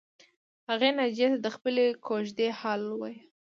هغې ناجیې ته د خپلې کوژدې حال ووایه